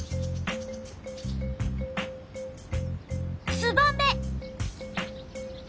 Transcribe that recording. ツバメ。